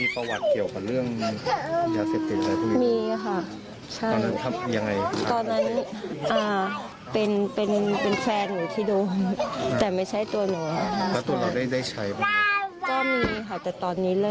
ถ้าเจ้าหน้าที่เขาออกไปช่วยอย่างนี้